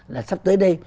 là sắp tới đây